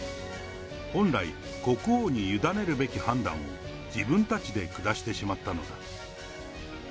本来、国王に委ねるべき判断を、自分たちで下してしまったのだ。